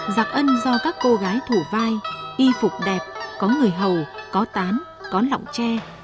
giặc ân do các cô gái thủ vai y phục đẹp có người hầu có tán có lòng tre